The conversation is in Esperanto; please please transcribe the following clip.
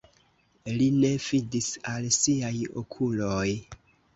Li ne fidis al siaj okuloj.